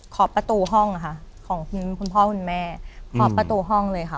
ขอบประตูห้องค่ะของคุณพ่อคุณแม่ขอบประตูห้องเลยค่ะ